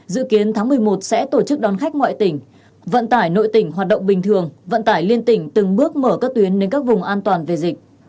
dự kiến tháng một mươi một sẽ tổ chức đón khách ngoại tỉnh vận tải nội tỉnh hoạt động bình thường vận tải liên tỉnh từng bước mở các tuyến đến các vùng an toàn về dịch